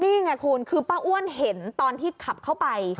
นี่ไงคุณคือป้าอ้วนเห็นตอนที่ขับเข้าไป